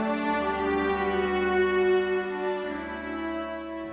รับการเรียนการสอนจากโรงเรียนวังไกลกังวล